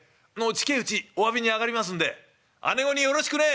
近えうちおわびに上がりますんで姉御によろしくね」。